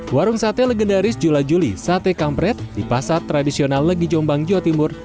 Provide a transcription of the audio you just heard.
warung sate legendaris jula juli sate kampret di pasar tradisional legi jombang jawa timur